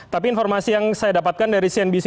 tapi informasi yang saya dapatkan dari cnbc